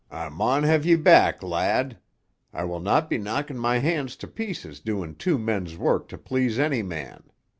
"I maun have ye back, lad; I will not be knocking my hands to pieces doing two men's work to please any man.